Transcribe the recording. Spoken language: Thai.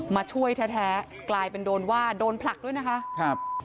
มาช่วยแท้สี่สงสัยกลายเป็นโดนวาโดนหลักและว่าหลัดใจ